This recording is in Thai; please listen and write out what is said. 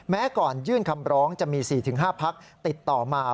ก่อนยื่นคำร้องจะมี๔๕พักติดต่อมา